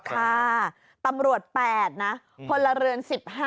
ค่ะตำรวจ๘นะพลเรือน๑๕